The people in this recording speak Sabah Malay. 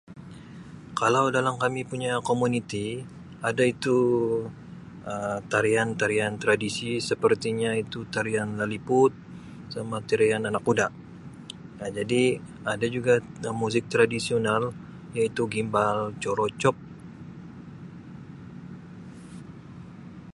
Kalau dalam kami punya komuniti ada itu Um tarian-tarian tradisi sepertinya itu tarian laliput sama tarian anak kuda Um jadi ada juga itu muzik tradisional iaitu gimbal corocop.